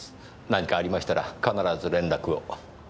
何かありましたら必ず連絡を。